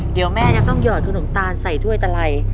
เดี๋ยวแม่จะต้องหอดขนมตาลใส่ถ้วยตะไร